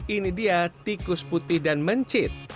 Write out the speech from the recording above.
ini dia tikus putih dan mencit